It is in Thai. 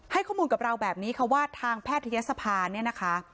ข้อมูลกับเราแบบนี้ค่ะว่าทางแพทยศภาเนี่ยนะคะ